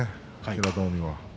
平戸海は。